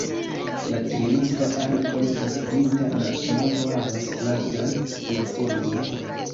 La triumfa arko estas pinta, la navo havas platan plafonon.